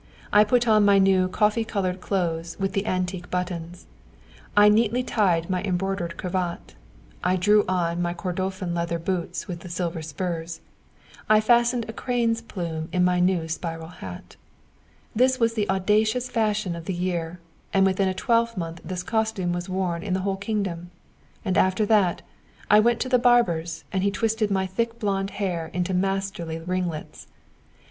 I put on my new coffee coloured clothes with the antique buttons; I neatly tied my embroidered cravat; I drew on my Kordofan leather boots with the silver spurs; I fastened a crane's plume in my new spiral hat. This was the audacious fashion of the year, and within a twelvemonth this costume was worn in the whole kingdom. And after that, I went to the barber's and he twisted my thick blonde hair into masterly ringlets.